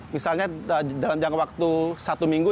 misalnya dalam jangka waktu satu minggu